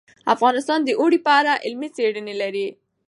افغانستان د اوړي په اړه علمي څېړنې لري.